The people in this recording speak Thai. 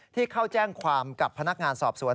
ที่เข้าแจ้งความกับพนักงานสอบสวน